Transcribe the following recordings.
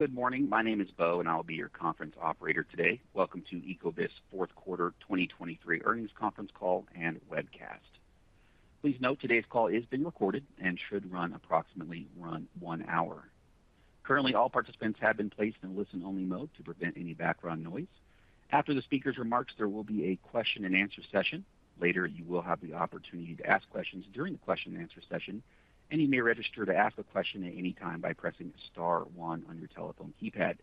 Good morning. My name is Bove, and I'll be your conference operator today. Welcome to Ecovyst's Q4 2023 earnings conference call and webcast. Please note today's call is being recorded and should run approximately one hour. Currently, all participants have been placed in listen-only mode to prevent any background noise. After the speaker's remarks, there will be a question-and-answer session. Later, you will have the opportunity to ask questions during the question-and-answer session, and you may register to ask a question at any time by pressing star one on your telephone keypad.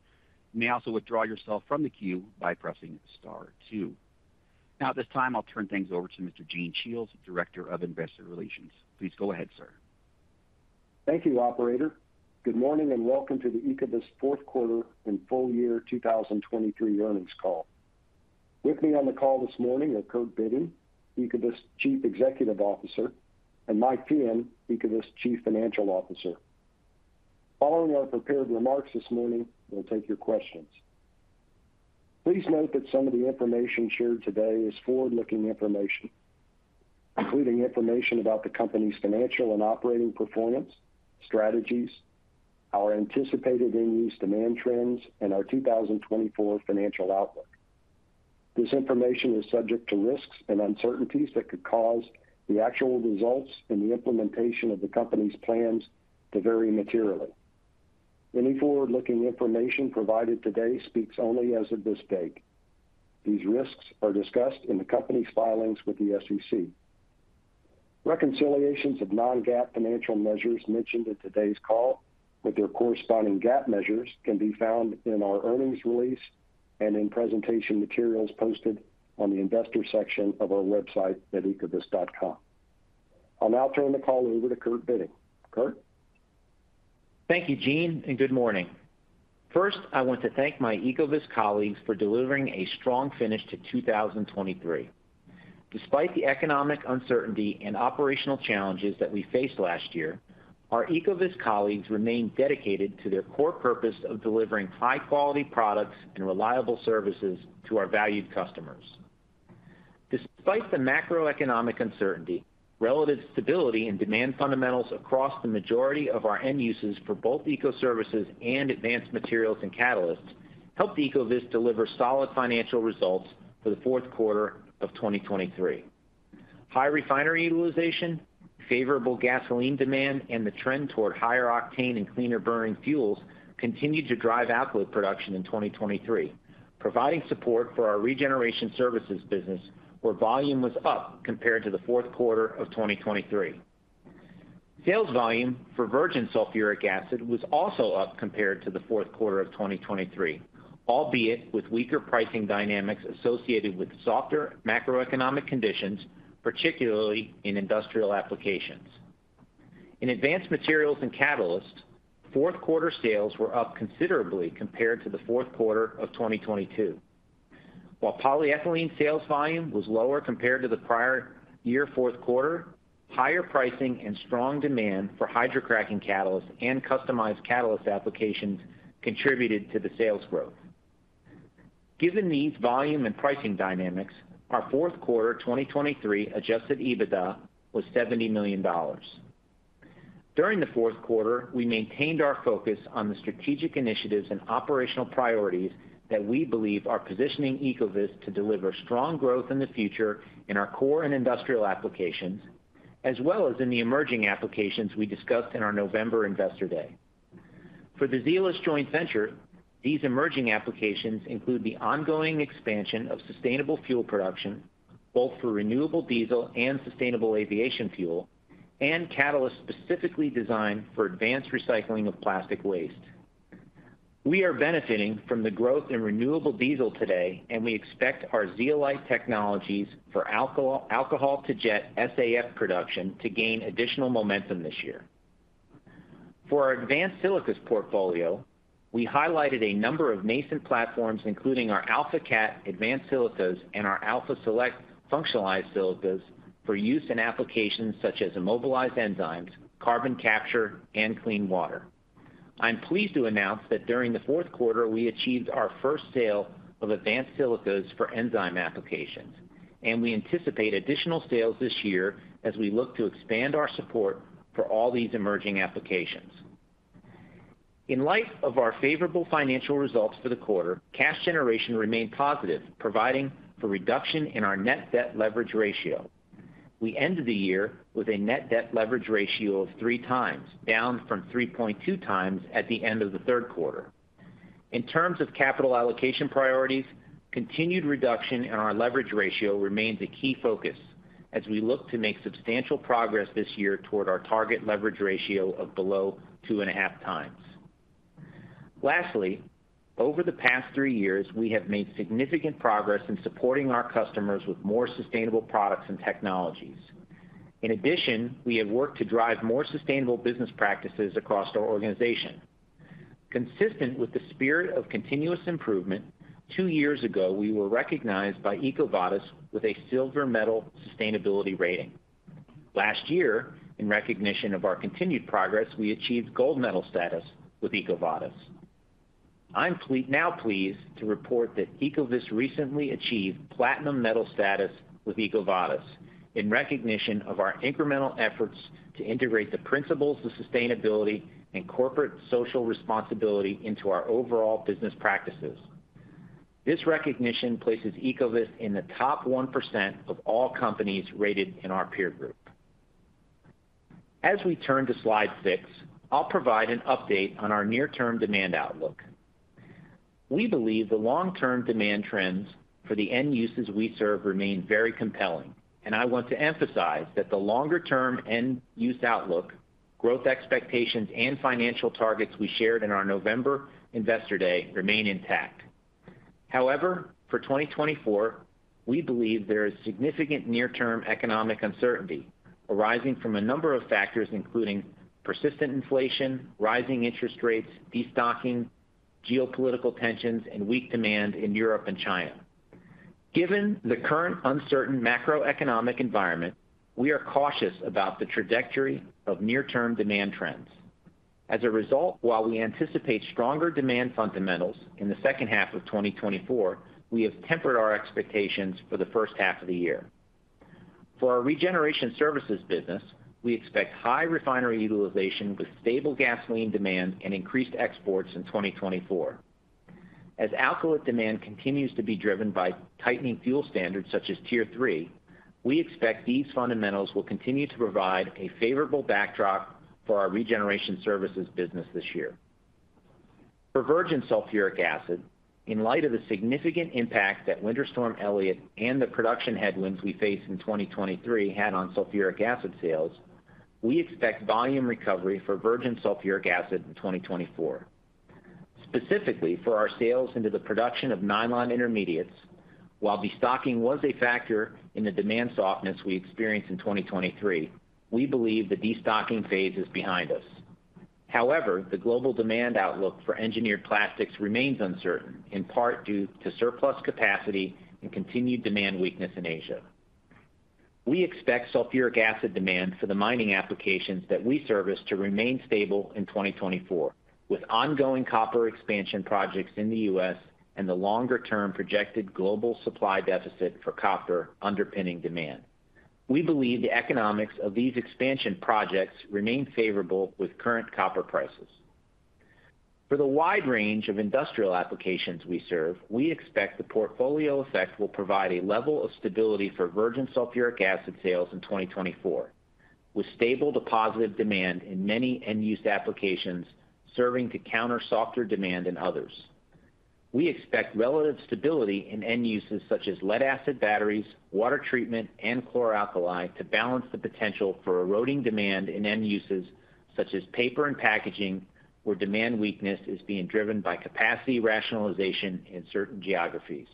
You may also withdraw yourself from the queue by pressing star two. Now, at this time, I'll turn things over to Mr. Gene Shiels, Director of Investor Relations. Please go ahead, sir. Thank you, operator. Good morning and welcome to the Ecovyst Q4 and full year 2023 earnings call. With me on the call this morning are Kurt Bitting, Ecovyst Chief Executive Officer, and Mike Feehan, Ecovyst Chief Financial Officer. Following our prepared remarks this morning, we'll take your questions. Please note that some of the information shared today is forward-looking information, including information about the company's financial and operating performance, strategies, our anticipated end-use demand trends, and our 2024 financial outlook. This information is subject to risks and uncertainties that could cause the actual results and the implementation of the company's plans to vary materially. Any forward-looking information provided today speaks only as of this date. These risks are discussed in the company's filings with the SEC. Reconciliations of non-GAAP financial measures mentioned in today's call with their corresponding GAAP measures can be found in our earnings release and in presentation materials posted on the investor section of our website at Ecovyst.com. I'll now turn the call over to Kurt Bitting. Kurt? Thank you, Gene, and good morning. First, I want to thank my Ecovyst colleagues for delivering a strong finish to 2023. Despite the economic uncertainty and operational challenges that we faced last year, our Ecovyst colleagues remain dedicated to their core purpose of delivering high-quality products and reliable services to our valued customers. Despite the macroeconomic uncertainty, relative stability and demand fundamentals across the majority of our end uses for both Ecoservices and Advanced Materials and Catalysts helped Ecovyst deliver solid financial results for the Q4 of 2023. High refinery utilization, favorable gasoline demand, and the trend toward higher octane and cleaner burning fuels continued to drive output production in 2023, providing support for our regeneration services business where volume was up compared to the Q4 of 2023. Sales volume for virgin sulfuric acid was also up compared to the Q4 of 2023, albeit with weaker pricing dynamics associated with softer macroeconomic conditions, particularly in industrial applications. In Advanced Materials and Catalysts, Q4 sales were up considerably compared to the Q4 of 2022. While polyethylene sales volume was lower compared to the prior year Q4, higher pricing and strong demand for hydrocracking catalysts and customized catalyst applications contributed to the sales growth. Given these volume and pricing dynamics, our Q4 2023 adjusted EBITDA was $70 million. During the Q4, we maintained our focus on the strategic initiatives and operational priorities that we believe are positioning Ecovyst to deliver strong growth in the future in our core and industrial applications, as well as in the emerging applications we discussed in our November Investor Day. For the Zeolyst joint venture, these emerging applications include the ongoing expansion of sustainable fuel production, both for renewable diesel and sustainable aviation fuel, and catalysts specifically designed for advanced recycling of plastic waste. We are benefiting from the growth in renewable diesel today, and we expect our Zeolyst technologies for alcohol-to-jet SAF production to gain additional momentum this year. For our advanced silicas portfolio, we highlighted a number of nascent platforms, including our AlphaCat advanced silicas and our AlphaSelect functionalized silicas for use in applications such as immobilized enzymes, carbon capture, and clean water. I'm pleased to announce that during the Q4, we achieved our first sale of advanced silicas for enzyme applications, and we anticipate additional sales this year as we look to expand our support for all these emerging applications. In light of our favorable financial results for the quarter, cash generation remained positive, providing for reduction in our net debt leverage ratio. We ended the year with a net debt leverage ratio of three times, down from 3.2 times at the end of the Q3. In terms of capital allocation priorities, continued reduction in our leverage ratio remains a key focus as we look to make substantial progress this year toward our target leverage ratio of below 2.5 times. Lastly, over the past three years, we have made significant progress in supporting our customers with more sustainable products and technologies. In addition, we have worked to drive more sustainable business practices across our organization. Consistent with the spirit of continuous improvement, two years ago, we were recognized by EcoVadis with a silver medal sustainability rating. Last year, in recognition of our continued progress, we achieved gold medal status with EcoVadis. I'm now pleased to report that Ecovyst recently achieved platinum medal status with EcoVadis in recognition of our incremental efforts to integrate the principles of sustainability and corporate social responsibility into our overall business practices. This recognition places Ecovyst in the top 1% of all companies rated in our peer group. As we turn to Slide six, I'll provide an update on our near-term demand outlook. We believe the long-term demand trends for the end uses we serve remain very compelling, and I want to emphasize that the longer-term end-use outlook, growth expectations, and financial targets we shared in our November Investor Day remain intact. However, for 2024, we believe there is significant near-term economic uncertainty arising from a number of factors, including persistent inflation, rising interest rates, destocking, geopolitical tensions, and weak demand in Europe and China. Given the current uncertain macroeconomic environment, we are cautious about the trajectory of near-term demand trends. As a result, while we anticipate stronger demand fundamentals in the second half of 2024, we have tempered our expectations for the first half of the year. For our regeneration services business, we expect high refinery utilization with stable gasoline demand and increased exports in 2024. As alcohol demand continues to be driven by tightening fuel standards such as Tier 3, we expect these fundamentals will continue to provide a favorable backdrop for our regeneration services business this year. For virgin sulfuric acid, in light of the significant impact that Winter Storm Elliott and the production headwinds we faced in 2023 had on sulfuric acid sales, we expect volume recovery for virgin sulfuric acid in 2024. Specifically, for our sales into the production of nylon intermediates, while destocking was a factor in the demand softness we experienced in 2023, we believe the destocking phase is behind us. However, the global demand outlook for engineered plastics remains uncertain, in part due to surplus capacity and continued demand weakness in Asia. We expect sulfuric acid demand for the mining applications that we service to remain stable in 2024, with ongoing copper expansion projects in the US and the longer-term projected global supply deficit for copper underpinning demand. We believe the economics of these expansion projects remain favorable with current copper prices. For the wide range of industrial applications we serve, we expect the portfolio effect will provide a level of stability for virgin sulfuric acid sales in 2024, with stable deposited demand in many end-use applications serving to counter softer demand in others. We expect relative stability in end uses such as lead-acid batteries, water treatment, and chlor-alkali to balance the potential for eroding demand in end uses such as paper and packaging, where demand weakness is being driven by capacity rationalization in certain geographies.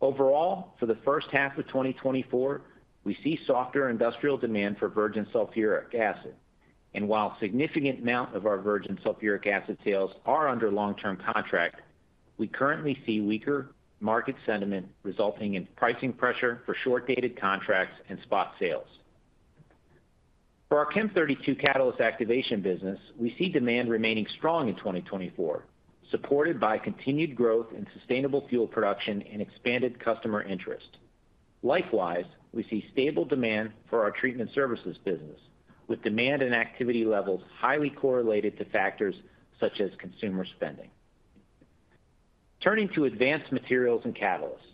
Overall, for the first half of 2024, we see softer industrial demand for virgin sulfuric acid. While a significant amount of our virgin sulfuric acid sales are under long-term contract, we currently see weaker market sentiment resulting in pricing pressure for short-dated contracts and spot sales. For our Chem32 catalyst activation business, we see demand remaining strong in 2024, supported by continued growth in sustainable fuel production and expanded customer interest. Likewise, we see stable demand for our treatment services business, with demand and activity levels highly correlated to factors such as consumer spending. Turning to Advanced Materials and Catalysts.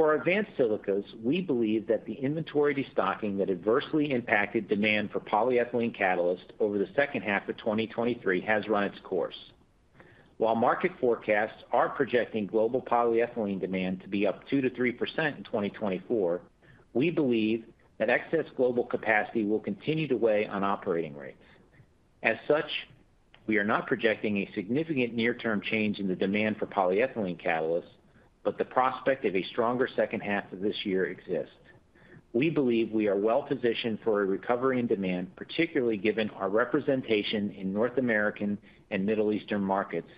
For our advanced silicas, we believe that the inventory destocking that adversely impacted demand for polyethylene catalysts over the second half of 2023 has run its course. While market forecasts are projecting global polyethylene demand to be up 2%-3% in 2024, we believe that excess global capacity will continue to weigh on operating rates. As such, we are not projecting a significant near-term change in the demand for polyethylene catalysts, but the prospect of a stronger second half of this year exists. We believe we are well-positioned for a recovery in demand, particularly given our representation in North American and Middle Eastern markets,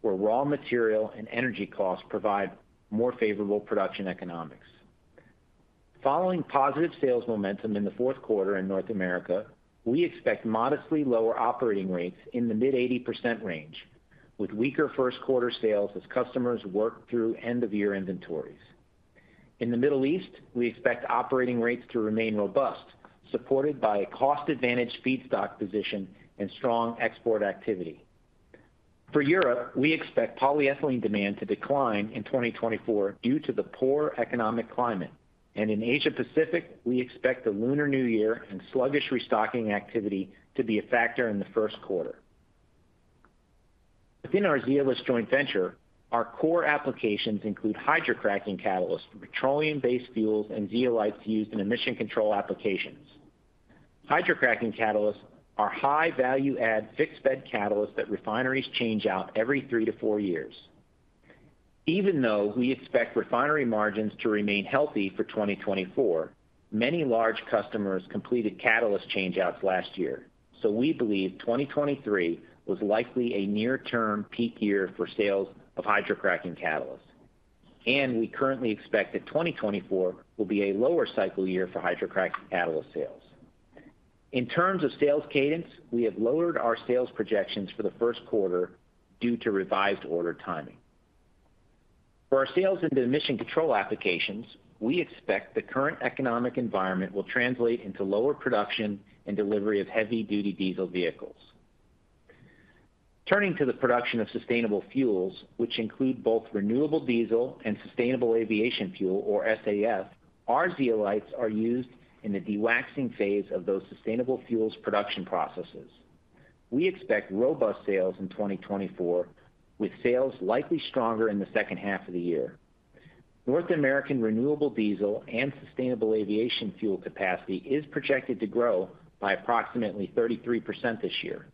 where raw material and energy costs provide more favorable production economics. Following positive sales momentum in the Q4 in North America, we expect modestly lower operating rates in the mid-80% range, with weaker Q1 sales as customers work through end-of-year inventories. In the Middle East, we expect operating rates to remain robust, supported by a cost-advantaged feedstock position and strong export activity. For Europe, we expect polyethylene demand to decline in 2024 due to the poor economic climate. In Asia-Pacific, we expect the Lunar New Year and sluggish restocking activity to be a factor in the Q1. Within our Zeolyst joint venture, our core applications include hydrocracking catalysts for petroleum-based fuels and zeolites used in emission control applications. Hydrocracking catalysts are high-value-add fixed-bed catalysts that refineries change out every three-four years. Even though we expect refinery margins to remain healthy for 2024, many large customers completed catalyst changeouts last year, so we believe 2023 was likely a near-term peak year for sales of hydrocracking catalysts. We currently expect that 2024 will be a lower cycle year for hydrocracking catalyst sales. In terms of sales cadence, we have lowered our sales projections for the Q1 due to revised order timing. For our sales into emission control applications, we expect the current economic environment will translate into lower production and delivery of heavy-duty diesel vehicles. Turning to the production of sustainable fuels, which include both renewable diesel and sustainable aviation fuel or SAF, our zeolites are used in the dewaxing phase of those sustainable fuels production processes. We expect robust sales in 2024, with sales likely stronger in the second half of the year. North American renewable diesel and sustainable aviation fuel capacity is projected to grow by approximately 33% this year,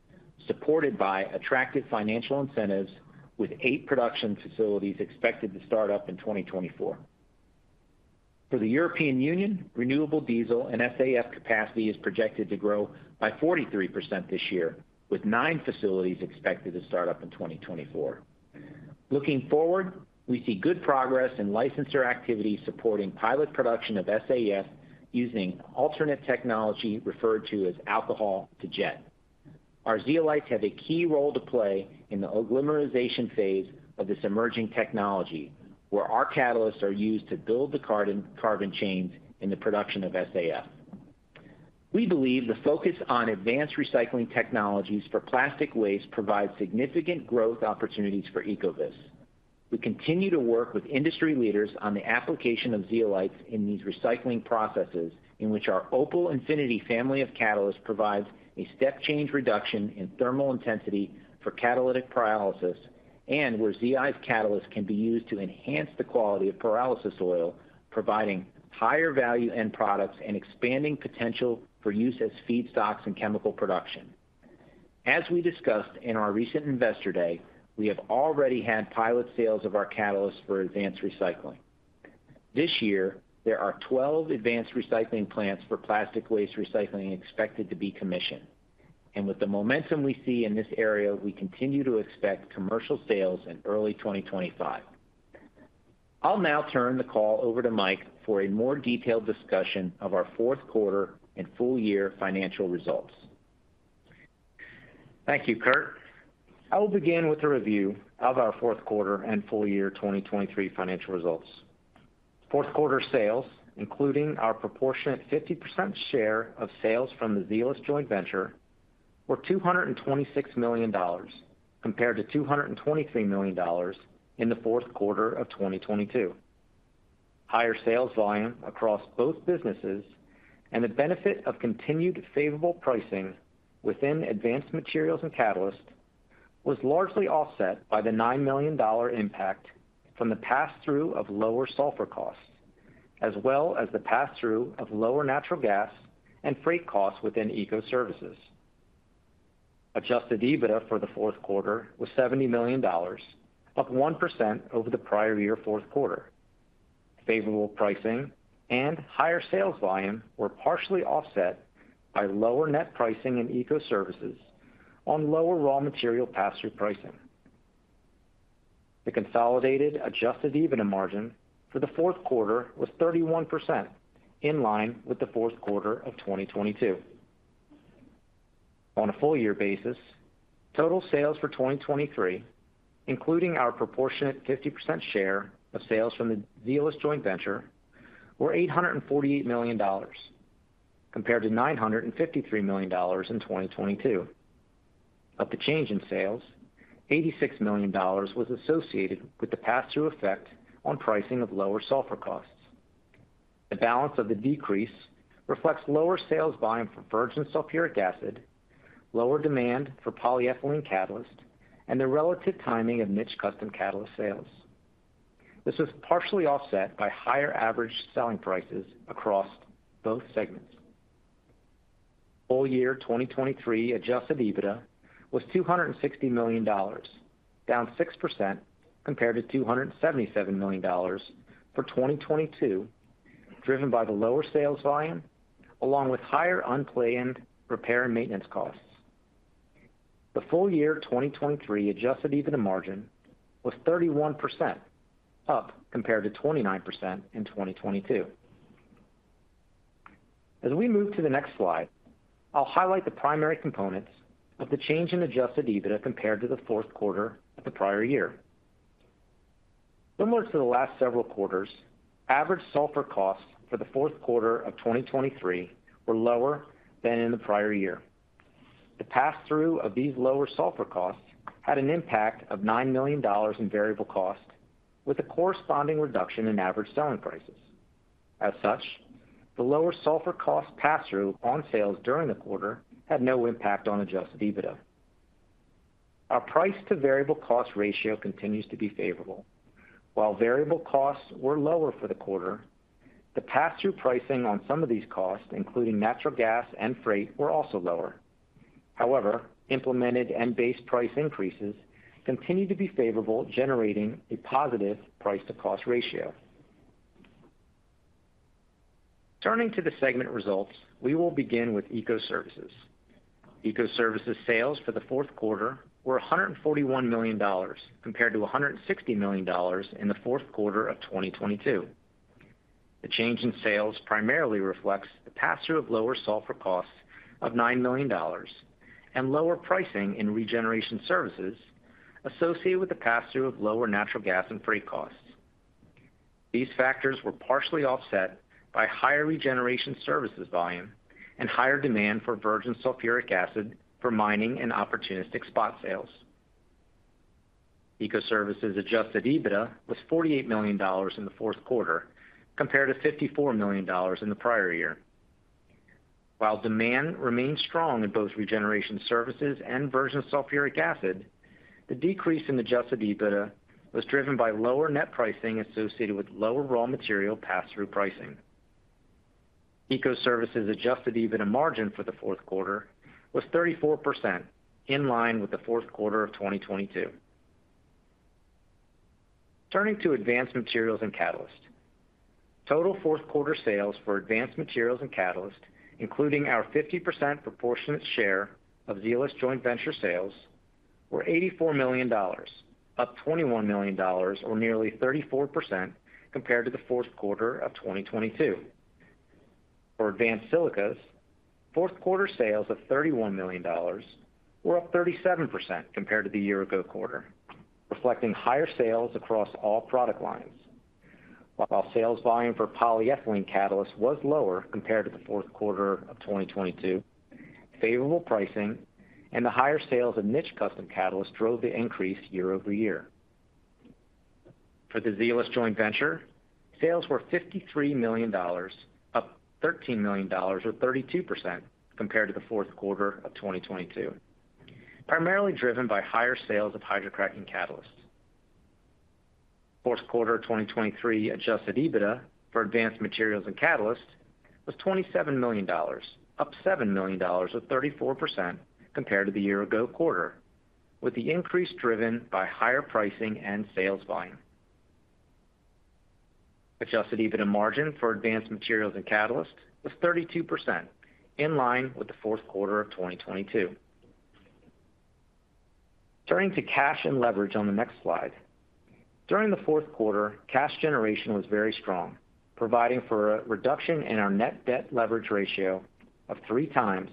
supported by attractive financial incentives, with eight production facilities expected to start up in 2024. For the European Union, renewable diesel and SAF capacity is projected to grow by 43% this year, with 9 facilities expected to start up in 2024. Looking forward, we see good progress in licensor activity supporting pilot production of SAF using alternate technology referred to as alcohol-to-jet. Our zeolites have a key role to play in the agglomeration phase of this emerging technology, where our catalysts are used to build the carbon chains in the production of SAF. We believe the focus on advanced recycling technologies for plastic waste provides significant growth opportunities for Ecovyst. We continue to work with industry leaders on the application of zeolites in these recycling processes, in which our Opal Infinity family of catalysts provides a step-change reduction in thermal intensity for catalytic pyrolysis, and where Zeolyst's catalysts can be used to enhance the quality of pyrolysis oil, providing higher value-end products and expanding potential for use as feedstocks in chemical production. As we discussed in our recent Investor Day, we have already had pilot sales of our catalysts for advanced recycling. This year, there are 12 advanced recycling plants for plastic waste recycling expected to be commissioned. With the momentum we see in this area, we continue to expect commercial sales in early 2025. I'll now turn the call over to Mike for a more detailed discussion of our Q4 and full-year financial results. Thank you, Kurt. I will begin with a review of our Q4 and full-year 2023 financial results.Q4 sales, including our proportionate 50% share of sales from the Zeolyst joint venture, were $226 million compared to $223 million in the Q4 of 2022. Higher sales volume across both businesses and the benefit of continued favorable pricing within Advanced Materials and Catalysts was largely offset by the $9 million impact from the pass-through of lower sulfur costs, as well as the pass-through of lower natural gas and freight costs within Ecoservices. Adjusted EBITDA for the Q4 was $70 million, up 1% over the prior year Q4. Favorable pricing and higher sales volume were partially offset by lower net pricing in Ecoservices on lower raw material pass-through pricing. The consolidated adjusted EBITDA margin for the Q4 was 31%, in line with the Q4 of 2022. On a full-year basis, total sales for 2023, including our proportionate 50% share of sales from the Zeolyst joint venture, were $848 million compared to $953 million in 2022. Of the change in sales, $86 million was associated with the pass-through effect on pricing of lower sulfur costs. The balance of the decrease reflects lower sales volume for virgin sulfuric acid, lower demand for polyethylene catalysts, and the relative timing of niche custom catalyst sales. This was partially offset by higher average selling prices across both segments. Full year 2023 Adjusted EBITDA was $260 million, down 6% compared to $277 million for 2022, driven by the lower sales volume along with higher unplanned repair and maintenance costs. The full year 2023 Adjusted EBITDA margin was 31%, up compared to 29% in 2022. As we move to the next slide, I'll highlight the primary components of the change in Adjusted EBITDA compared to the Q4 of the prior year. Similar to the last several quarters, average sulfur costs for the Q4 of 2023 were lower than in the prior year. The pass-through of these lower sulfur costs had an impact of $9 million in variable cost, with a corresponding reduction in average selling prices. As such, the lower sulfur cost pass-through on sales during the quarter had no impact on Adjusted EBITDA. Our price-to-variable cost ratio continues to be favorable. While variable costs were lower for the quarter, the pass-through pricing on some of these costs, including natural gas and freight, were also lower. However, implemented and base price increases continue to be favorable, generating a positive price-to-cost ratio. Turning to the segment results, we will begin with Ecoservices. Ecoservices sales for the Q4 were $141 million compared to $160 million in the Q4 of 2022. The change in sales primarily reflects the pass-through of lower sulfur costs of $9 million and lower pricing in regeneration services associated with the pass-through of lower natural gas and freight costs. These factors were partially offset by higher regeneration services volume and higher demand for virgin sulfuric acid for mining and opportunistic spot sales. Ecoservices Adjusted EBITDA was $48 million in the Q4 compared to $54 million in the prior year. While demand remained strong in both regeneration services and virgin sulfuric acid, the decrease in Adjusted EBITDA was driven by lower net pricing associated with lower raw material pass-through pricing. Ecoservices Adjusted EBITDA margin for the Q4 was 34%, in line with the Q4 of 2022. Turning to Advanced Materials and Catalysts. Total Q4 sales for Advanced Materials and Catalysts, including our 50% proportionate share of Zeolyst joint venture sales, were $84 million, up $21 million or nearly 34% compared to the Q4 of 2022. For advanced silicas, Q4 sales of $31 million were up 37% compared to the year-ago quarter, reflecting higher sales across all product lines. While sales volume for polyethylene catalysts was lower compared to the Q4 of 2022, favorable pricing and the higher sales of niche custom catalysts drove the increase year-over-year. For the Zeolyst joint venture, sales were $53 million, up $13 million or 32% compared to the Q4 of 2022, primarily driven by higher sales of hydrocracking catalysts. Q4 2023 Adjusted EBITDA for Advanced Materials and Catalysts was $27 million, up $7 million or 34% compared to the year-ago quarter, with the increase driven by higher pricing and sales volume. Adjusted EBITDA margin for Advanced Materials and Catalysts was 32%, in line with the Q4 of 2022. Turning to cash and leverage on the next slide. During the Q4, cash generation was very strong, providing for a reduction in our net debt leverage ratio of 3x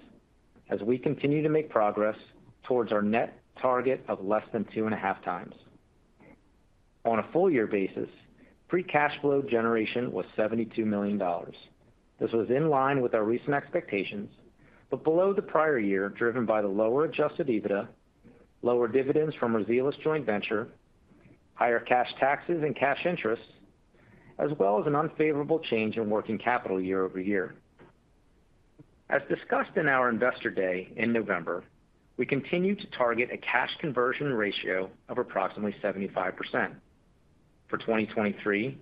as we continue to make progress towards our net target of less than 2.5x. On a full-year basis, free cash flow generation was $72 million. This was in line with our recent expectations, but below the prior year, driven by the lower Adjusted EBITDA, lower dividends from our Zeolyst joint venture, higher cash taxes and cash interests, as well as an unfavorable change in working capital year-over-year. As discussed in our Investor Day in November, we continue to target a cash conversion ratio of approximately 75%. For 2023,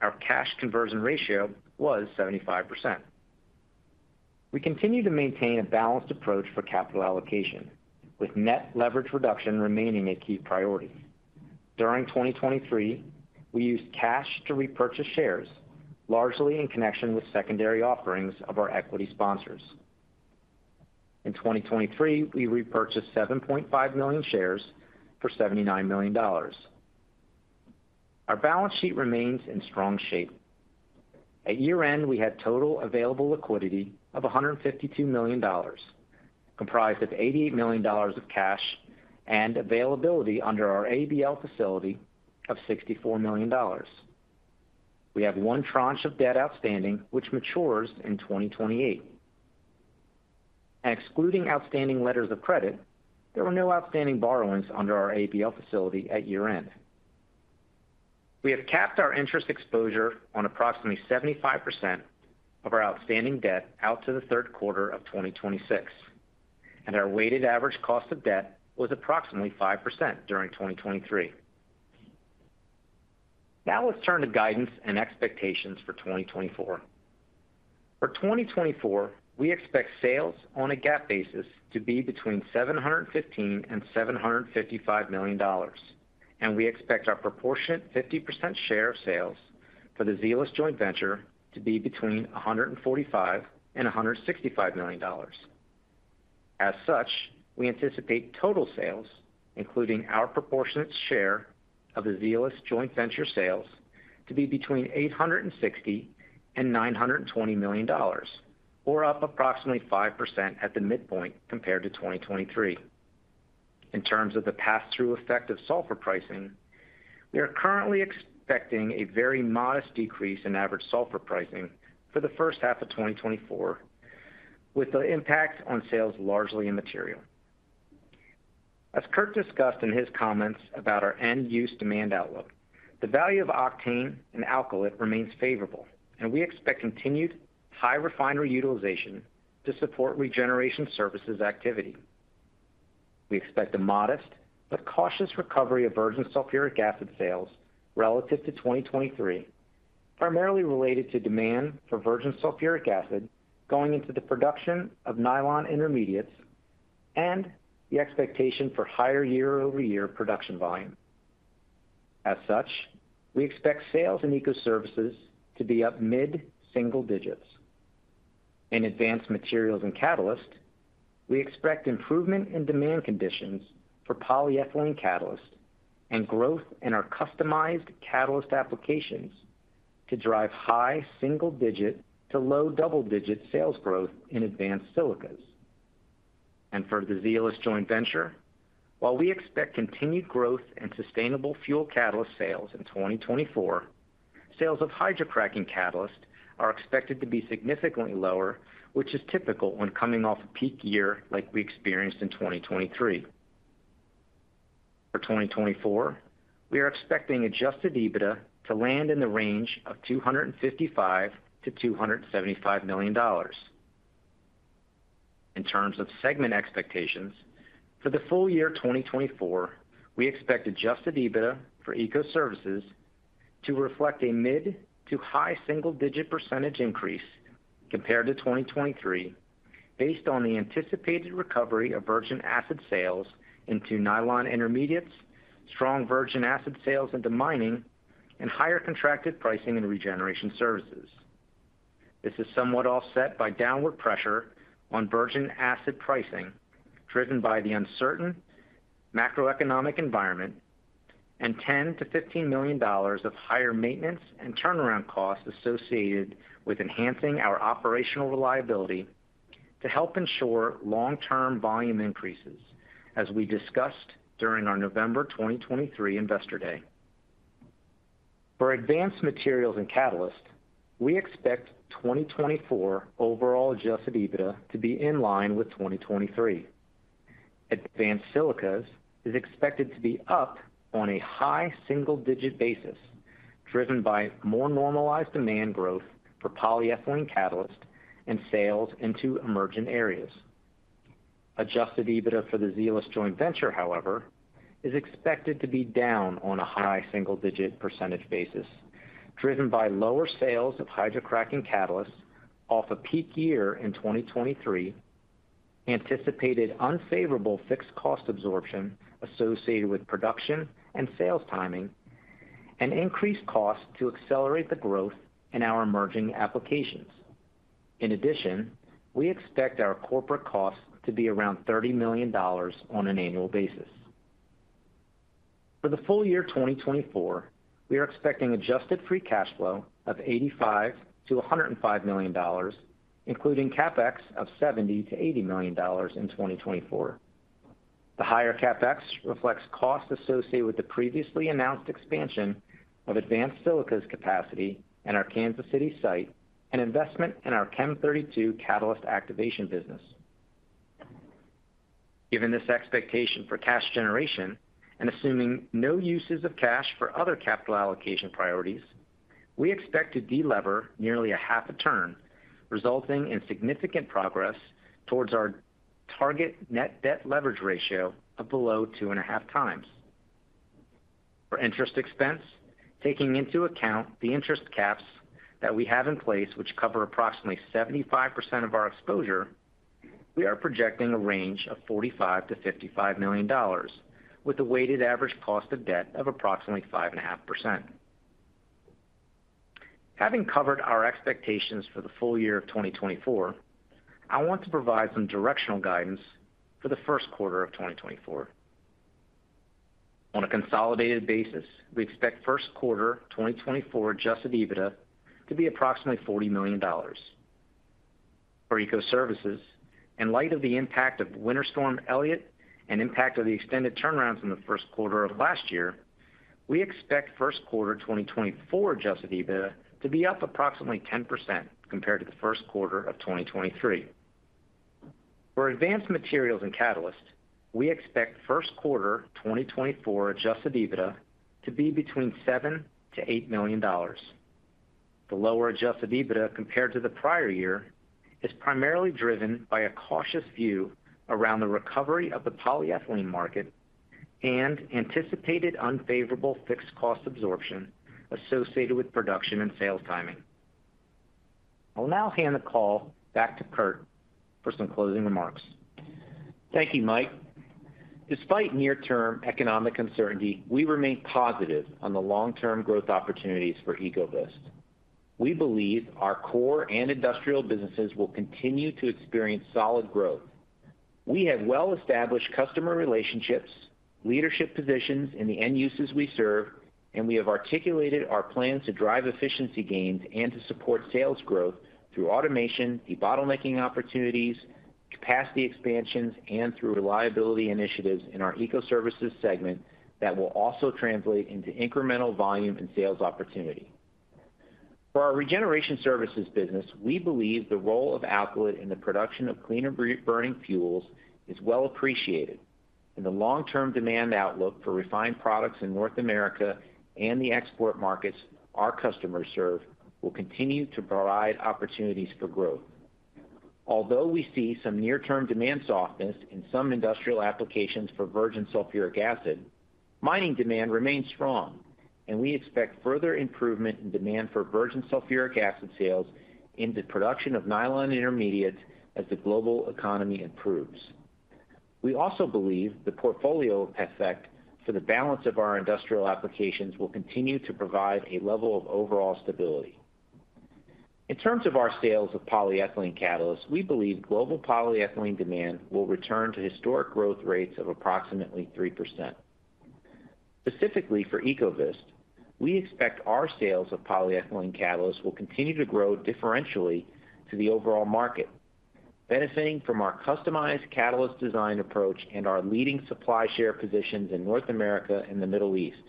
our cash conversion ratio was 75%. We continue to maintain a balanced approach for capital allocation, with net leverage reduction remaining a key priority. During 2023, we used cash to repurchase shares, largely in connection with secondary offerings of our equity sponsors. In 2023, we repurchased 7.5 million shares for $79 million. Our balance sheet remains in strong shape. At year-end, we had total available liquidity of $152 million, comprised of $88 million of cash and availability under our ABL facility of $64 million. We have one tranche of debt outstanding, which matures in 2028. Excluding outstanding letters of credit, there were no outstanding borrowings under our ABL facility at year-end. We have capped our interest exposure on approximately 75% of our outstanding debt out to the Q3 of 2026, and our weighted average cost of debt was approximately 5% during 2023. Now let's turn to guidance and expectations for 2024. For 2024, we expect sales on a GAAP basis to be between $715 million-$755 million, and we expect our proportionate 50% share of sales for the Zeolyst joint venture to be between $145 million-$165 million. As such, we anticipate total sales, including our proportionate share of the Zeolyst joint venture sales, to be between $860 million-$920 million, or up approximately 5% at the midpoint compared to 2023. In terms of the pass-through effect of sulfur pricing, we are currently expecting a very modest decrease in average sulfur pricing for the first half of 2024, with the impact on sales largely in material. As Kurt discussed in his comments about our end-use demand outlook, the value of octane and alkylate remains favorable, and we expect continued high refinery utilization to support regeneration services activity. We expect a modest but cautious recovery of virgin sulfuric acid sales relative to 2023, primarily related to demand for virgin sulfuric acid going into the production of nylon intermediates and the expectation for higher year-over-year production volume. As such, we expect sales in Ecoservices to be up mid-single digits. In Advanced Materials and Catalysts, we expect improvement in demand conditions for polyethylene catalysts and growth in our customized catalyst applications to drive high single-digit to low double-digit sales growth in advanced silicas. For the Zeolyst joint venture, while we expect continued growth and sustainable fuel catalyst sales in 2024, sales of hydrocracking catalysts are expected to be significantly lower, which is typical when coming off a peak year like we experienced in 2023. For 2024, we are expecting Adjusted EBITDA to land in the range of $255 million-$275 million. In terms of segment expectations, for the full year 2024, we expect Adjusted EBITDA for Ecoservices to reflect a mid- to high single-digit % increase compared to 2023, based on the anticipated recovery of virgin acid sales into nylon intermediates, strong virgin acid sales into mining, and higher contracted pricing in regeneration services. This is somewhat offset by downward pressure on virgin acid pricing driven by the uncertain macroeconomic environment and $10-$15 million of higher maintenance and turnaround costs associated with enhancing our operational reliability to help ensure long-term volume increases, as we discussed during our November 2023 Investor Day. For Advanced Materials and Catalysts, we expect 2024 overall Adjusted EBITDA to be in line with 2023. Advanced silicas is expected to be up on a high single-digit basis, driven by more normalized demand growth for polyethylene catalysts and sales into emergent areas. Adjusted EBITDA for the Zeolyst joint venture, however, is expected to be down on a high single-digit % basis, driven by lower sales of hydrocracking catalysts off a peak year in 2023, anticipated unfavorable fixed cost absorption associated with production and sales timing, and increased costs to accelerate the growth in our emerging applications. In addition, we expect our corporate costs to be around $30 million on an annual basis. For the full year 2024, we are expecting adjusted free cash flow of $85-$105 million, including CapEx of $70-$80 million in 2024. The higher CapEx reflects costs associated with the previously announced expansion of advanced silicas capacity and our Kansas City site and investment in our Chem32 catalyst activation business. Given this expectation for cash generation and assuming no uses of cash for other capital allocation priorities, we expect to delever nearly half a turn, resulting in significant progress towards our target net debt leverage ratio of below 2.5 times. For interest expense, taking into account the interest caps that we have in place, which cover approximately 75% of our exposure, we are projecting a range of $45-$55 million, with a weighted average cost of debt of approximately 5.5%. Having covered our expectations for the full year of 2024, I want to provide some directional guidance for the Q1 of 2024. On a consolidated basis, we expect Q1 2024 Adjusted EBITDA to be approximately $40 million. For Ecoservices, in light of the impact of Winter Storm Elliott and impact of the extended turnarounds in the Q1 of last year, we expect Q1 2024 Adjusted EBITDA to be up approximately 10% compared to the Q1 of 2023. For Advanced Materials and Catalysts, we expect Q1 2024 Adjusted EBITDA to be between $7 million-$8 million. The lower Adjusted EBITDA compared to the prior year is primarily driven by a cautious view around the recovery of the polyethylene market and anticipated unfavorable fixed cost absorption associated with production and sales timing. I'll now hand the call back to Kurt for some closing remarks. Thank you, Mike. Despite near-term economic uncertainty, we remain positive on the long-term growth opportunities for Ecovyst. We believe our core and industrial businesses will continue to experience solid growth. We have well-established customer relationships, leadership positions in the end uses we serve, and we have articulated our plans to drive efficiency gains and to support sales growth through automation, debottlenecking opportunities, capacity expansions, and through reliability initiatives in our Ecoservices segment that will also translate into incremental volume and sales opportunity. For our regeneration services business, we believe the role of alkylate in the production of cleaner burning fuels is well appreciated, and the long-term demand outlook for refined products in North America and the export markets our customers serve will continue to provide opportunities for growth. Although we see some near-term demand softness in some industrial applications for virgin sulfuric acid, mining demand remains strong, and we expect further improvement in demand for virgin sulfuric acid sales into production of nylon intermediates as the global economy improves. We also believe the portfolio effect for the balance of our industrial applications will continue to provide a level of overall stability. In terms of our sales of polyethylene catalysts, we believe global polyethylene demand will return to historic growth rates of approximately 3%. Specifically for Ecovyst, we expect our sales of polyethylene catalysts will continue to grow differentially to the overall market, benefiting from our customized catalyst design approach and our leading supply share positions in North America and the Middle East,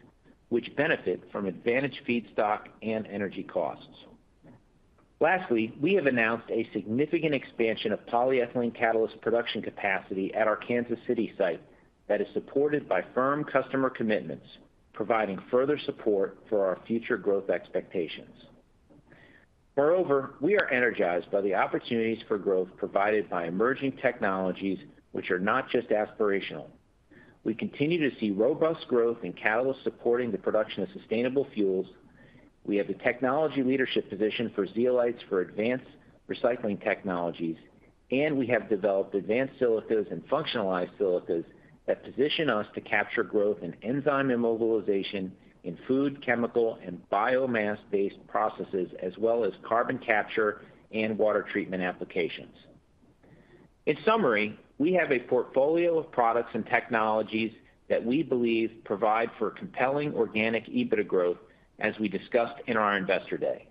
which benefit from advantaged feedstock and energy costs. Lastly, we have announced a significant expansion of polyethylene catalyst production capacity at our Kansas City site that is supported by firm customer commitments, providing further support for our future growth expectations. Moreover, we are energized by the opportunities for growth provided by emerging technologies, which are not just aspirational. We continue to see robust growth in catalysts supporting the production of sustainable fuels. We have the technology leadership position for zeolites for advanced recycling technologies, and we have developed advanced silicas and functionalized silicas that position us to capture growth in enzyme immobilization in food, chemical, and biomass-based processes, as well as carbon capture and water treatment applications. In summary, we have a portfolio of products and technologies that we believe provide for compelling organic EBITDA growth, as we discussed in our Investor Day.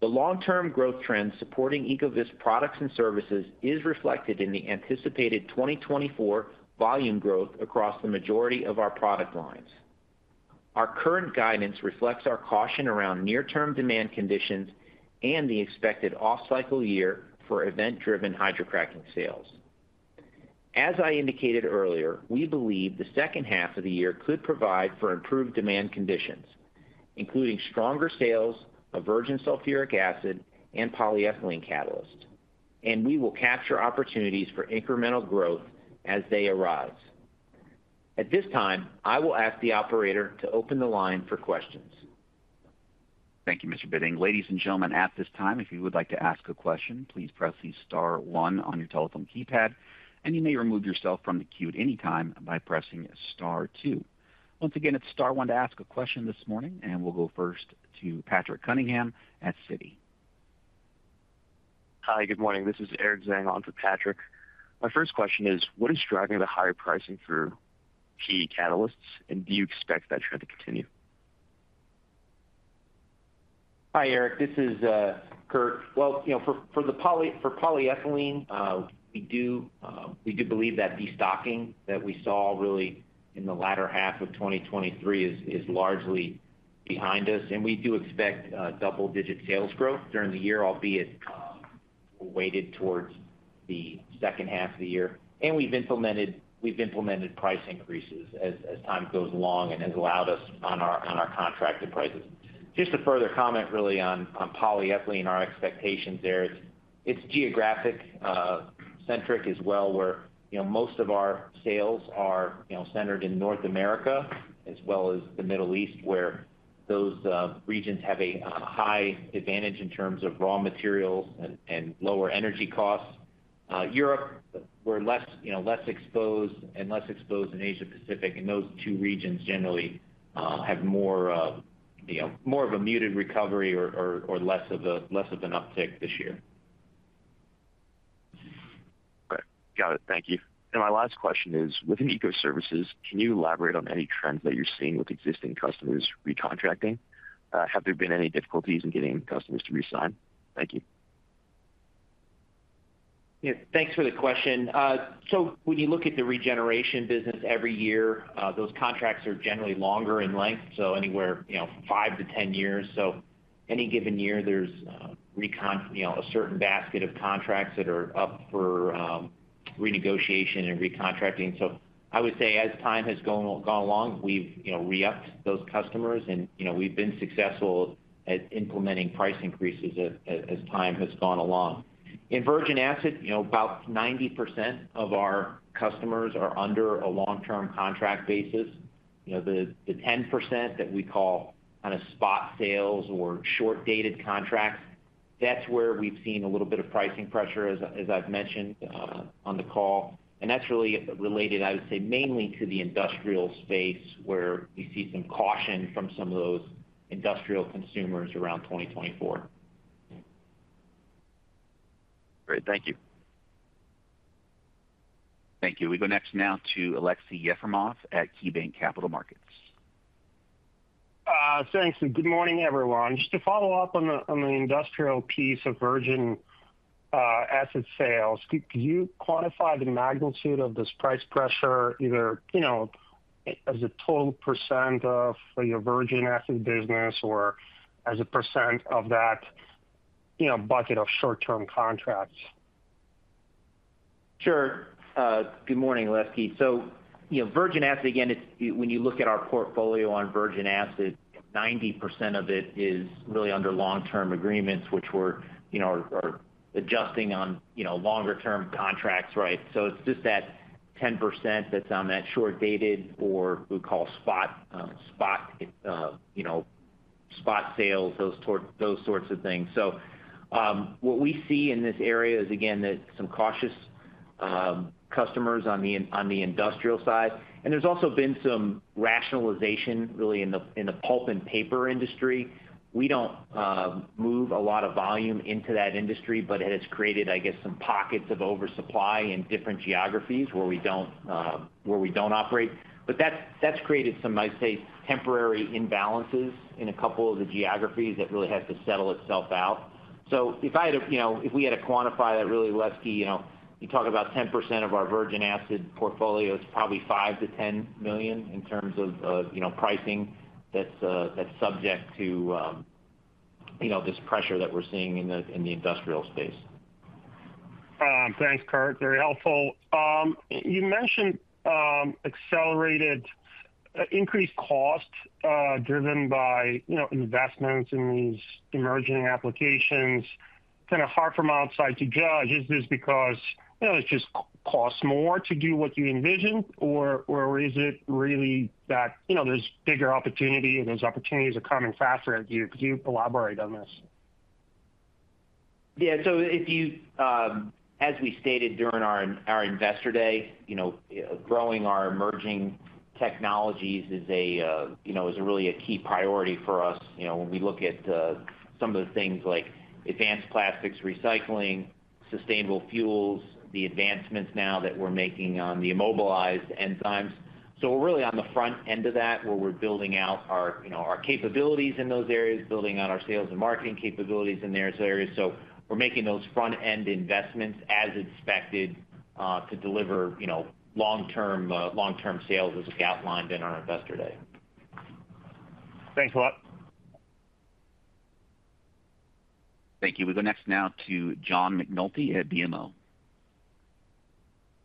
The long-term growth trend supporting Ecovyst products and services is reflected in the anticipated 2024 volume growth across the majority of our product lines. Our current guidance reflects our caution around near-term demand conditions and the expected off-cycle year for event-driven hydrocracking sales. As I indicated earlier, we believe the second half of the year could provide for improved demand conditions, including stronger sales of virgin sulfuric acid and polyethylene catalysts, and we will capture opportunities for incremental growth as they arise. At this time, I will ask the operator to open the line for questions. Thank you, Mr. Bitting. Ladies and gentlemen, at this time, if you would like to ask a question, please press the star one on your telephone keypad, and you may remove yourself from the queue at any time by pressing star two. Once again, it's star one to ask a question this morning, and we'll go first to Patrick Cunningham at Citi. Hi, good morning. This is Eric Zhang on for Patrick. My first question is, what is driving the higher pricing for key catalysts, and do you expect that trend to continue? Hi, Eric. This is Kurt. Well, for polyethylene, we do believe that destocking that we saw really in the latter half of 2023 is largely behind us, and we do expect double-digit sales growth during the year, albeit weighted towards the second half of the year. And we've implemented price increases as time goes along and has allowed us on our contracted prices. Just a further comment really on polyethylene and our expectations, Eric. It's geographic-centric as well, where most of our sales are centered in North America as well as the Middle East, where those regions have a high advantage in terms of raw materials and lower energy costs. Europe, we're less exposed and less exposed in Asia-Pacific, and those two regions generally have more of a muted recovery or less of an uptick this year. Okay. Got it. Thank you. And my last question is, within Ecoservices, can you elaborate on any trends that you're seeing with existing customers recontracting? Have there been any difficulties in getting customers to re-sign? Thank you. Thanks for the question. So when you look at the regeneration business every year, those contracts are generally longer in length, so anywhere 5-10 years. So any given year, there's a certain basket of contracts that are up for renegotiation and recontracting. So I would say as time has gone along, we've re-upped those customers, and we've been successful at implementing price increases as time has gone along. In virgin acid, about 90% of our customers are under a long-term contract basis. The 10% that we call kind of spot sales or short-dated contracts, that's where we've seen a little bit of pricing pressure, as I've mentioned on the call. That's really related, I would say, mainly to the industrial space where we see some caution from some of those industrial consumers around 2024. Great. Thank you. Thank you. We go next now to Aleksey Yefremov at KeyBanc Capital Markets. Thanks. And good morning, everyone. Just to follow up on the industrial piece of virgin acid sales, could you quantify the magnitude of this price pressure either as a total percent of your virgin acid business or as a percent of that bucket of short-term contracts? Sure. Good morning, Alexey. So virgin acid, again, when you look at our portfolio on virgin acid, 90% of it is really under long-term agreements, which we're adjusting on longer-term contracts, right? So it's just that 10% that's on that short-dated or we call spot sales, those sorts of things. So what we see in this area is, again, some cautious customers on the industrial side. And there's also been some rationalization really in the pulp and paper industry. We don't move a lot of volume into that industry, but it has created, I guess, some pockets of oversupply in different geographies where we don't operate. But that's created some, I'd say, temporary imbalances in a couple of the geographies that really has to settle itself out. So if we had to quantify that really, Alexey, you talk about 10% of our virgin acid portfolio, it's probably $5 million-$10 million in terms of pricing that's subject to this pressure that we're seeing in the industrial space. Thanks, Kurt. Very helpful. You mentioned increased cost driven by investments in these emerging applications. Kind of hard from outside to judge, is this because it just costs more to do what you envisioned, or is it really that there's bigger opportunity and those opportunities are coming faster at you? Could you elaborate on this? Yeah. So as we stated during our Investor Day, growing our emerging technologies is really a key priority for us when we look at some of the things like advanced plastics recycling, sustainable fuels, the advancements now that we're making on the immobilized enzymes. So we're really on the front end of that where we're building out our capabilities in those areas, building out our sales and marketing capabilities in those areas. So we're making those front-end investments as expected to deliver long-term sales as we've outlined in our Investor Day. Thanks a lot. Thank you. We go next now to John McNulty at BMO.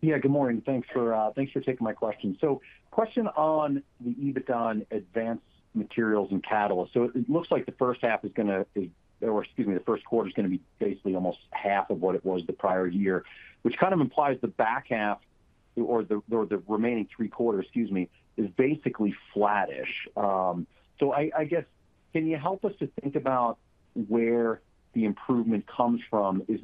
Yeah. Good morning. Thanks for taking my question. So, question on the EBITDA on Advanced Materials and Catalysts. So, it looks like the first half is going to or, excuse me, the Q1 is going to be basically almost half of what it was the prior year, which kind of implies the back half or the remaining three quarters, excuse me, is basically flattish. So, I guess, can you help us to think about where the improvement comes from? Is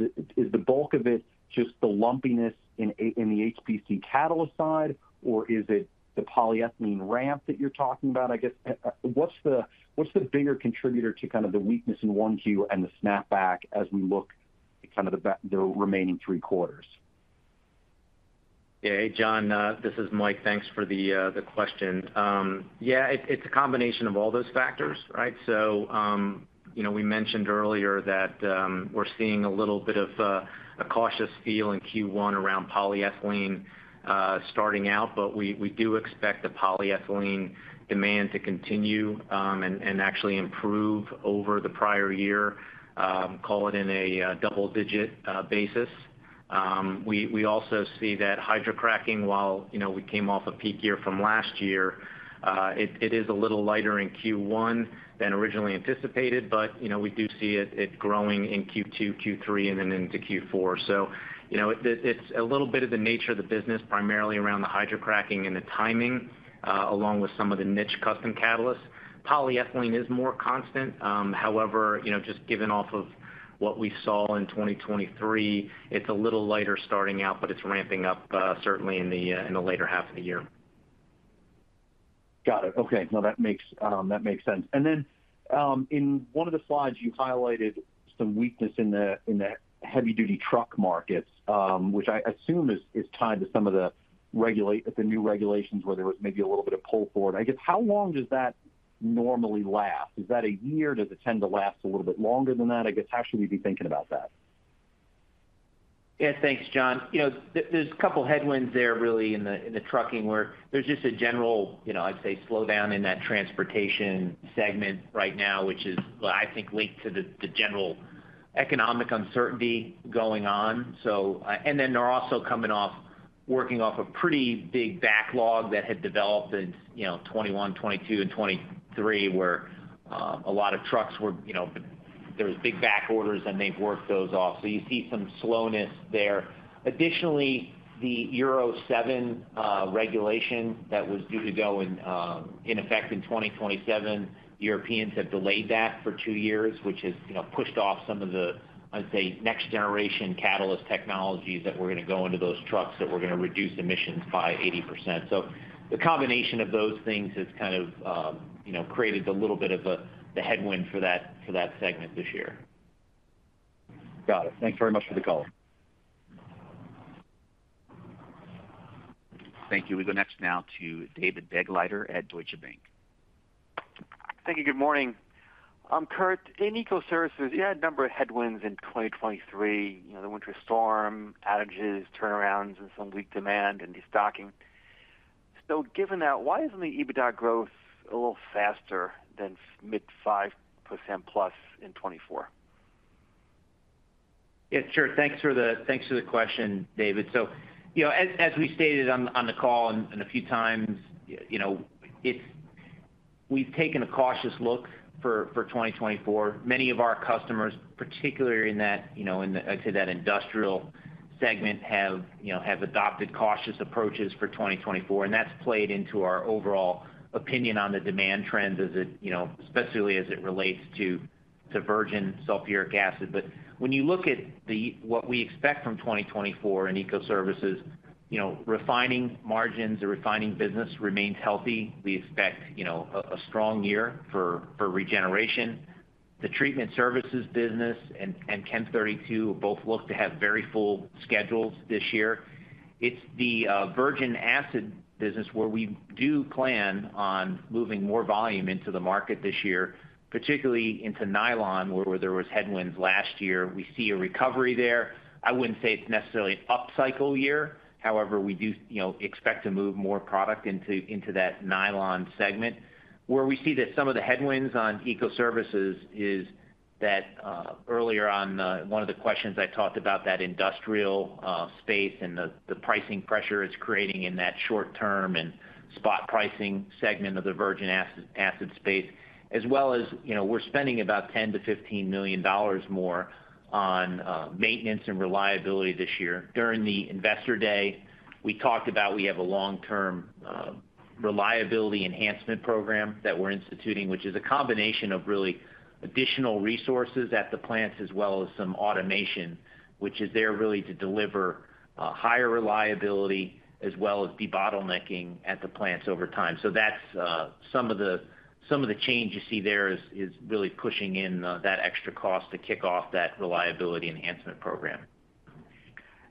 the bulk of it just the lumpiness in the HPC catalyst side, or is it the polyethylene ramp that you're talking about? I guess, what's the bigger contributor to kind of the weakness in Q1 and the snapback as we look at kind of the remaining three quarters? Yeah. Hey, John. This is Mike. Thanks for the question. Yeah. It's a combination of all those factors, right? So we mentioned earlier that we're seeing a little bit of a cautious feel in Q1 around polyethylene starting out, but we do expect the polyethylene demand to continue and actually improve over the prior year, call it in a double-digit basis. We also see that hydrocracking, while we came off a peak year from last year, it is a little lighter in Q1 than originally anticipated, but we do see it growing in Q2, Q3, and then into Q4. So it's a little bit of the nature of the business, primarily around the hydrocracking and the timing, along with some of the niche custom catalysts. Polyethylene is more constant. However, just given off of what we saw in 2023, it's a little lighter starting out, but it's ramping up certainly in the later half of the year. Got it. Okay. No, that makes sense. And then in one of the slides, you highlighted some weakness in the heavy-duty truck markets, which I assume is tied to some of the new regulations where there was maybe a little bit of pull forward. I guess, how long does that normally last? Is that a year? Does it tend to last a little bit longer than that? I guess, how should we be thinking about that? Yeah. Thanks, John. There's a couple of headwinds there really in the trucking where there's just a general, I'd say, slowdown in that transportation segment right now, which is, well, I think linked to the general economic uncertainty going on. And then they're also coming off working off a pretty big backlog that had developed in 2021, 2022, and 2023 where a lot of trucks were there were big backorders, and they've worked those off. So you see some slowness there. Additionally, the Euro 7 regulation that was due to go in effect in 2027, Europeans have delayed that for two years, which has pushed off some of the, I'd say, next-generation catalyst technologies that we're going to go into those trucks that we're going to reduce emissions by 80%. So the combination of those things has kind of created a little bit of the headwind for that segment this year. Got it. Thanks very much for the call. Thank you. We go next now to David Begleiter at Deutsche Bank. Thank you. Good morning. Kurt, in Ecoservices, you had a number of headwinds in 2023, the winter storm, outages, turnarounds, and some weak demand and destocking. So given that, why isn't the EBITDA growth a little faster than mid-5%+ in 2024? Yeah. Sure. Thanks for the question, David. As we stated on the call and a few times, we've taken a cautious look for 2024. Many of our customers, particularly in that, I'd say, that industrial segment, have adopted cautious approaches for 2024, and that's played into our overall opinion on the demand trend, especially as it relates to virgin sulfuric acid. When you look at what we expect from 2024 in Ecoservices, refining margins or refining business remains healthy. We expect a strong year for regeneration. The treatment services business and Chem32 both look to have very full schedules this year. It's the virgin acid business where we do plan on moving more volume into the market this year, particularly into nylon where there were headwinds last year. We see a recovery there. I wouldn't say it's necessarily an upcycle year. However, we do expect to move more product into that nylon segment. Where we see that some of the headwinds on Ecoservices is that earlier on, one of the questions I talked about, that industrial space and the pricing pressure it's creating in that short-term and spot pricing segment of the virgin acid space, as well as we're spending about $10 million-$15 million more on maintenance and reliability this year. During the Investor Day, we talked about we have a long-term reliability enhancement program that we're instituting, which is a combination of really additional resources at the plants as well as some automation, which is there really to deliver higher reliability as well as debottlenecking at the plants over time. So that's some of the change you see there is really pushing in that extra cost to kick off that reliability enhancement program.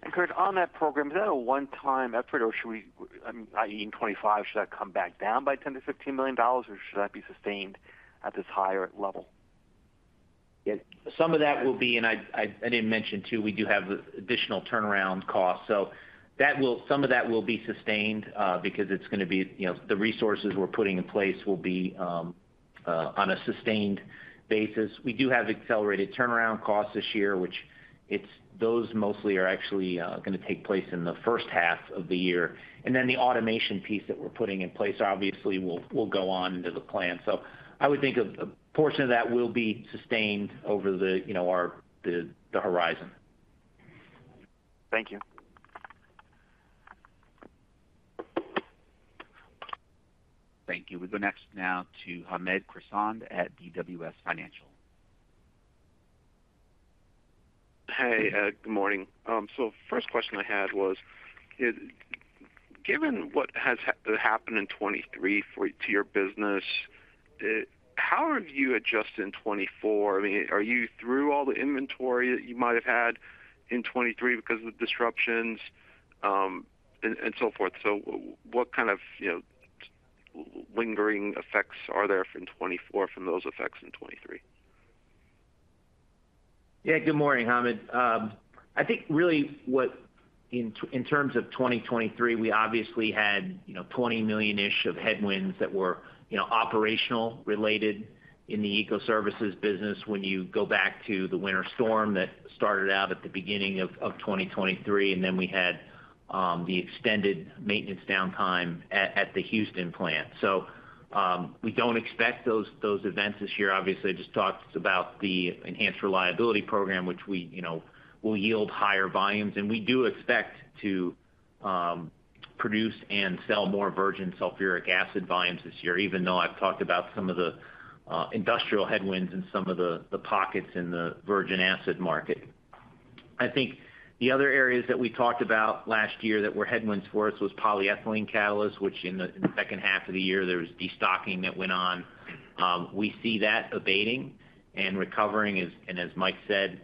And Kurt, on that program, is that a one-time effort, or should we I mean, i.e., in 2025, should that come back down by $10 million-$15 million, or should that be sustained at this higher level? Yeah. Some of that will be and I didn't mention too, we do have additional turnaround costs. So some of that will be sustained because it's going to be the resources we're putting in place will be on a sustained basis. We do have accelerated turnaround costs this year, which those mostly are actually going to take place in the first half of the year. And then the automation piece that we're putting in place, obviously, will go on to the plants. So I would think a portion of that will be sustained over the horizon. Thank you. Thank you. We go next now to Hamed Khorsand at BWS Financial. Hey. Good morning. So first question I had was, given what has happened in 2023 to your business, how have you adjusted in 2024? I mean, are you through all the inventory that you might have had in 2023 because of the disruptions and so forth? So what kind of lingering effects are there from 2024, from those effects in 2023? Yeah. Good morning, Hamed. I think really what in terms of 2023, we obviously had $20 million-ish of headwinds that were operational-related in the Ecoservices business when you go back to the winter storm that started out at the beginning of 2023, and then we had the extended maintenance downtime at the Houston plant. So we don't expect those events this year. Obviously, I just talked about the enhanced reliability program, which will yield higher volumes. And we do expect to produce and sell more virgin sulfuric acid volumes this year, even though I've talked about some of the industrial headwinds and some of the pockets in the virgin acid market. I think the other areas that we talked about last year that were headwinds for us was polyethylene catalysts, which in the second half of the year, there was destocking that went on. We see that abating and recovering, and as Mike said,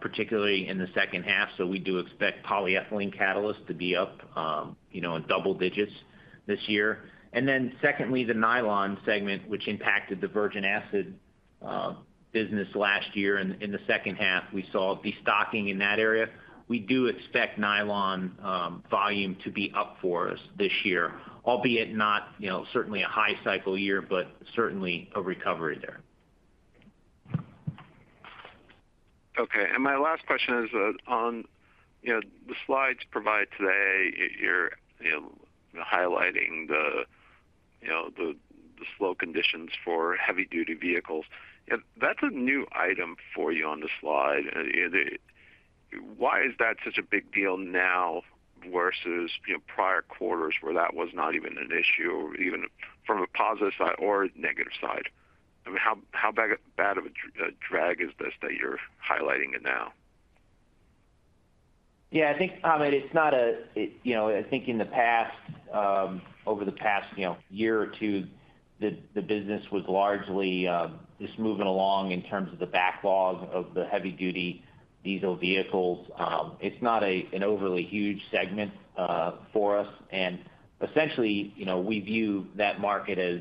particularly in the second half. So we do expect polyethylene catalysts to be up in double digits this year. And then secondly, the nylon segment, which impacted the virgin acid business last year in the second half, we saw destocking in that area. We do expect nylon volume to be up for us this year, albeit not certainly a high-cycle year, but certainly a recovery there. Okay. My last question is, on the slides provided today, you're highlighting the slow conditions for heavy-duty vehicles. That's a new item for you on the slide. Why is that such a big deal now versus prior quarters where that was not even an issue, even from a positive side or negative side? I mean, how bad of a drag is this that you're highlighting it now? Yeah. I think, Hamed, it's not, I think in the past, over the past year or two, the business was largely just moving along in terms of the backlog of the heavy-duty diesel vehicles. It's not an overly huge segment for us. And essentially, we view that market as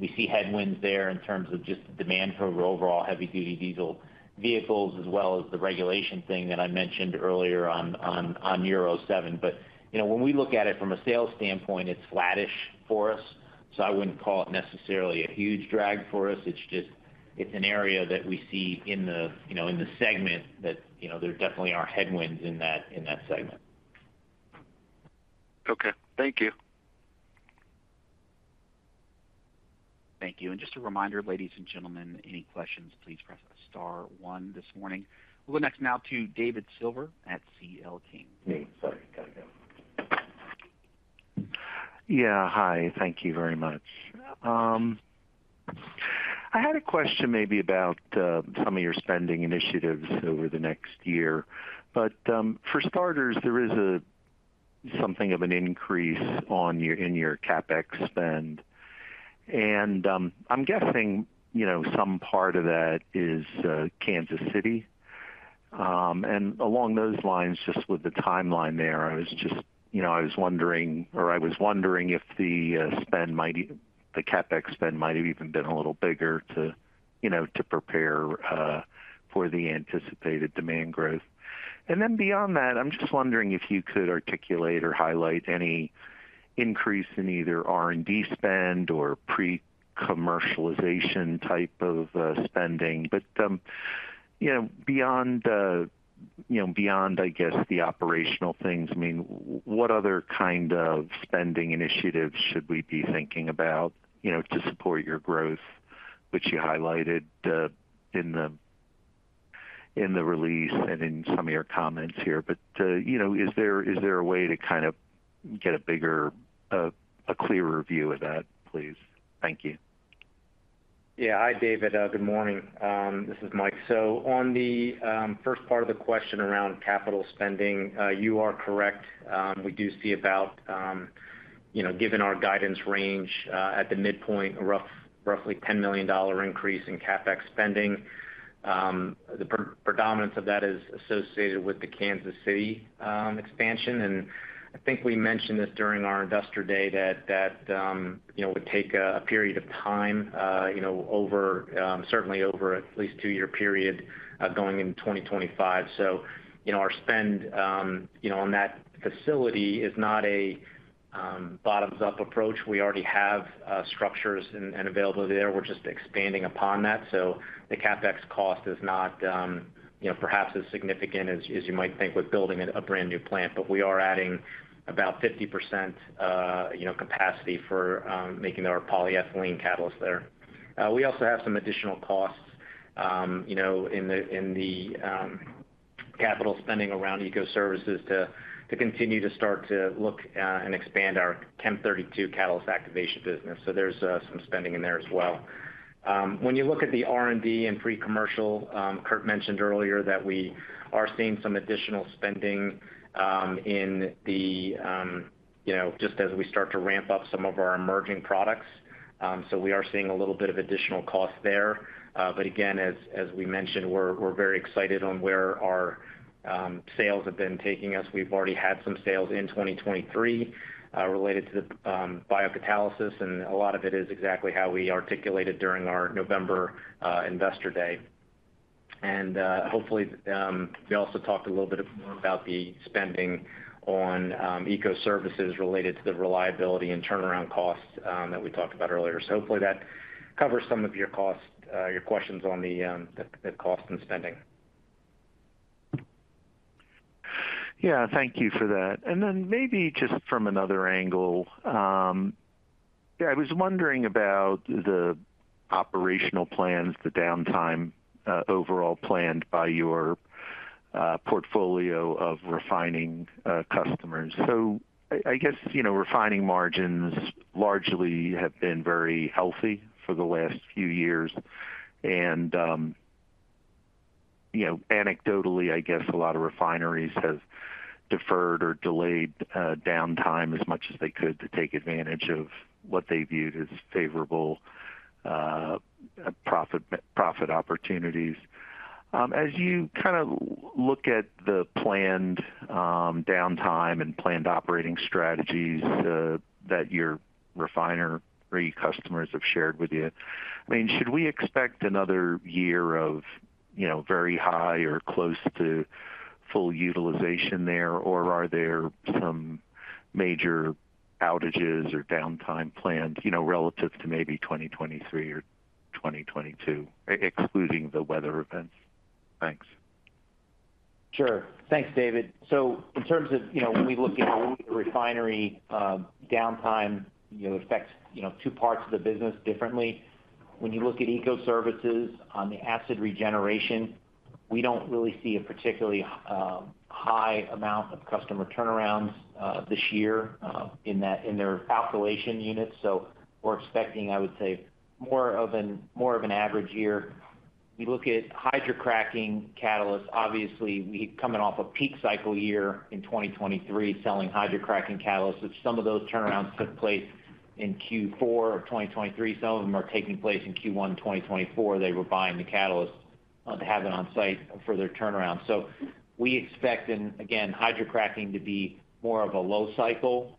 we see headwinds there in terms of just the demand for overall heavy-duty diesel vehicles as well as the regulation thing that I mentioned earlier on Euro 7. But when we look at it from a sales standpoint, it's flattish for us. So I wouldn't call it necessarily a huge drag for us. It's an area that we see in the segment that there definitely are headwinds in that segment. Okay. Thank you. Thank you. And just a reminder, ladies and gentlemen, any questions, please press star one this morning. We'll go next now to David Silver at CL King. Me. Sorry. Got to go. Yeah. Hi. Thank you very much. I had a question maybe about some of your spending initiatives over the next year. But for starters, there is something of an increase in your CapEx spend. And I'm guessing some part of that is Kansas City. And along those lines, just with the timeline there, I was just wondering if the CapEx spend might have even been a little bigger to prepare for the anticipated demand growth. And then beyond that, I'm just wondering if you could articulate or highlight any increase in either R&D spend or pre-commercialization type of spending. But beyond, I guess, the operational things, I mean, what other kind of spending initiatives should we be thinking about to support your growth, which you highlighted in the release and in some of your comments here? But is there a way to kind of get a clearer view of that, please? Thank you. Yeah. Hi, David. Good morning. This is Mike. So on the first part of the question around capital spending, you are correct. We do see about, given our guidance range, at the midpoint, a roughly $10 million increase in CapEx spending. The predominance of that is associated with the Kansas City expansion. I think we mentioned this during our Investor Day that it would take a period of time, certainly over at least a 2-year period going into 2025. Our spend on that facility is not a bottoms-up approach. We already have structures and availability there. We're just expanding upon that. The CapEx cost is not perhaps as significant as you might think with building a brand new plant. But we are adding about 50% capacity for making our polyethylene catalyst there. We also have some additional costs in the capital spending around Ecoservices to continue to start to look and expand our Chem32 catalyst activation business. There's some spending in there as well. When you look at the R&D and pre-commercial, Kurt mentioned earlier that we are seeing some additional spending in the just as we start to ramp up some of our emerging products. So we are seeing a little bit of additional cost there. But again, as we mentioned, we're very excited on where our sales have been taking us. We've already had some sales in 2023 related to the biocatalysis, and a lot of it is exactly how we articulated during our November Investor Day. Hopefully, we also talked a little bit more about the spending on Ecoservices related to the reliability and turnaround costs that we talked about earlier. So hopefully, that covers some of your questions on the cost and spending. Yeah. Thank you for that. Then maybe just from another angle, yeah, I was wondering about the operational plans, the downtime overall planned by your portfolio of refining customers. So I guess refining margins largely have been very healthy for the last few years. And anecdotally, I guess a lot of refineries have deferred or delayed downtime as much as they could to take advantage of what they viewed as favorable profit opportunities. As you kind of look at the planned downtime and planned operating strategies that your refiner or your customers have shared with you, I mean, should we expect another year of very high or close to full utilization there, or are there some major outages or downtime planned relative to maybe 2023 or 2022, excluding the weather events? Thanks. Sure. Thanks, David. So in terms of when we look at the refinery downtime, it affects two parts of the business differently. When you look at Ecoservices on the acid regeneration, we don't really see a particularly high amount of customer turnarounds this year in their alkylation units. So we're expecting, I would say, more of an average year. We look at hydrocracking catalysts. Obviously, we're coming off a peak cycle year in 2023 selling hydrocracking catalysts. If some of those turnarounds took place in Q4 of 2023, some of them are taking place in Q1 of 2024. They were buying the catalyst to have it on site for their turnaround. So we expect, and again, hydrocracking to be more of a low cycle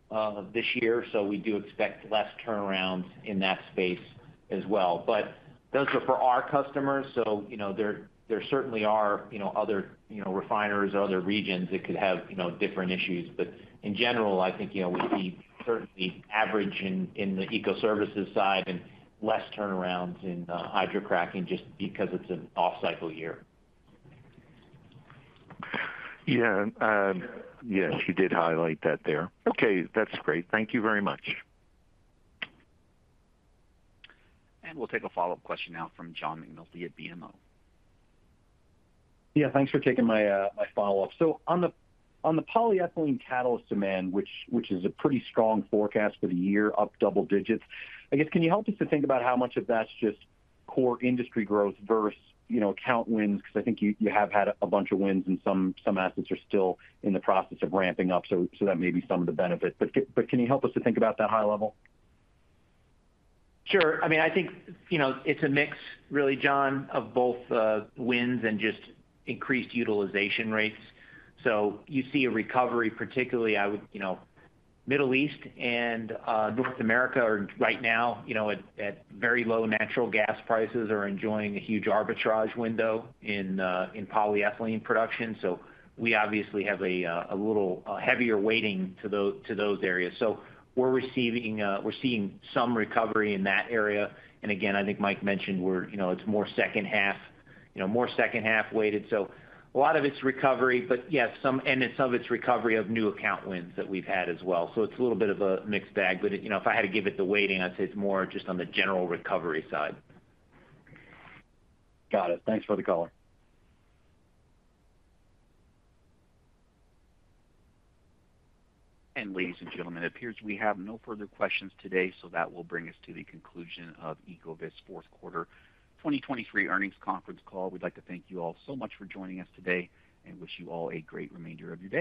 this year. So we do expect less turnarounds in that space as well. But those are for our customers. So there certainly are other refineries or other regions that could have different issues. But in general, I think we'd be certainly average in the Ecoservices side and less turnarounds in hydrocracking just because it's an off-cycle year. Yeah. Yes. You did highlight that there. Okay. That's great. Thank you very much. And we'll take a follow-up question now from John McNulty at BMO. Yeah. Thanks for taking my follow-up. So on the polyethylene catalyst demand, which is a pretty strong forecast for the year, up double digits, I guess, can you help us to think about how much of that's just core industry growth versus account wins? Because I think you have had a bunch of wins, and some assets are still in the process of ramping up. So that may be some of the benefit. But can you help us to think about that high level? Sure. I mean, I think it's a mix, really, John, of both wins and just increased utilization rates. So you see a recovery, particularly in the Middle East and North America. Or right now, at very low natural gas prices, are enjoying a huge arbitrage window in polyethylene production. So we obviously have a little heavier weighting to those areas. So we're seeing some recovery in that area. And again, I think Mike mentioned it's more second-half weighted. So a lot of it's recovery, but yes, and some of it's recovery of new account wins that we've had as well. So it's a little bit of a mixed bag. But if I had to give it the weighting, I'd say it's more just on the general recovery side. Got it. Thanks for the color. And ladies and gentlemen, it appears we have no further questions today. That will bring us to the conclusion of Ecovyst Q4 2023 earnings conference call. We'd like to thank you all so much for joining us today and wish you all a great remainder of your day.